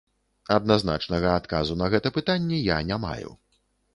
Адназначнага адказу на гэта пытанне я не маю.